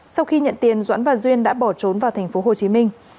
sau khi nhận tiền doãn và duyên đã bỏ trốn vào thành phố hồ chí minh